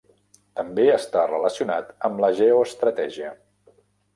També està relacionat amb la geoestratègia.